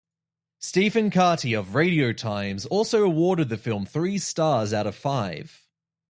Stephen Carty of "Radio Times" also awarded the film three stars out of five.